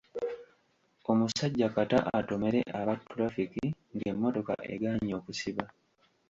Omusajja kata atomere aba ttulafiki ng'emmotoka egaanyi okusiba.